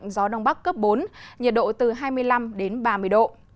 gió đông bắc cấp bốn nhiệt độ từ hai mươi năm đến ba mươi độ